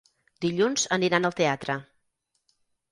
Dilluns aniran al teatre.